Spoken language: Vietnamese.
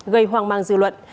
gây hoang mang dư luận